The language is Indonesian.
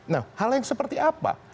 nah hal yang seperti apa